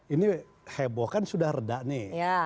ini heboh kan sudah reda nih